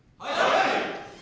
はい！